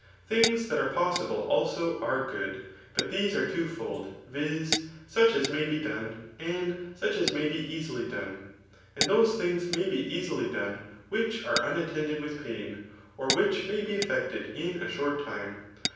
Things that are possible, also, are good ; but these aie twofold, viz. such as may be done, and such as may be easily done ; and those things may be easily done, which afe.imattended with pain, or which may be effected ia a short time.